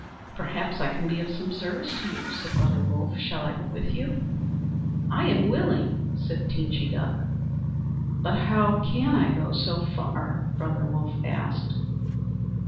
"Perhaps I can be of some service to you," said Brother Wolf. "Shall I go with you?" "I am willing," said Teenchy Duck. "But how can I go so far?" Brother Wolf asked.